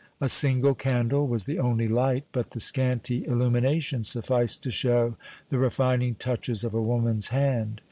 A single candle was the only light, but the scanty illumination sufficed to show the refining touches of a woman's hand.